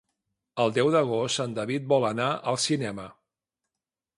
El deu d'agost en David vol anar al cinema.